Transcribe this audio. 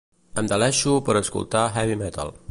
Em deleixo per escoltar heavy metal.